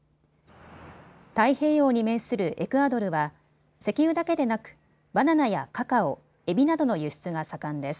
太平洋に面するエクアドルは石油だけでなくバナナやカカオ、エビなどの輸出が盛んです。